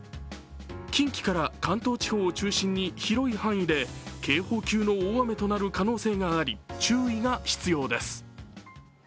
近畿から関東地方を中心に広い範囲で警報級の大雨となる可能性があり注意が必要です。